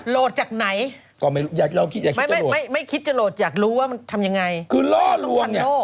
โหลดจากไหนก็ไม่รู้ไม่ไม่คิดจะโหลดอยากรู้ว่ามันทำยังไงคือล่อลวงเนี่ย